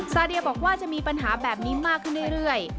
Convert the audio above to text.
ซาเดียบอกว่าจะมีปัญหาแบบนี้มากขึ้นเรื่อย